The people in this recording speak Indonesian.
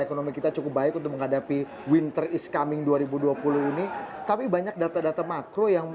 ekonomi kita cukup baik untuk menghadapi winter is coming dua ribu dua puluh ini tapi banyak data data makro yang